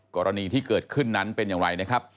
กรณีที่เกิดขึ้นนั้นเป็นอย่างไรนะครับ